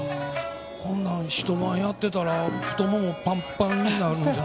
こんな人がやってたら太ももパンパンになるんじゃ